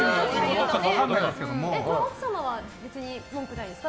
奥様は別に文句ないですか？